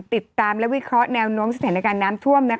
ติดตามและวิเคราะห์แนวโน้มสถานการณ์น้ำท่วม